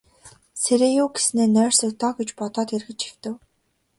Сэрээе юү гэснээ нойрсог доо гэж бодоод эргэж хэвтэв.